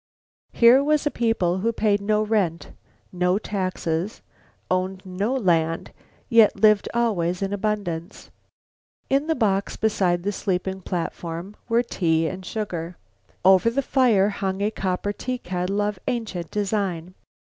Here was a people who paid no rent, no taxes, owned no land yet lived always in abundance. In the box beside the sleeping platform were tea and sugar. Over the fire hung a copper teakettle of ancient design.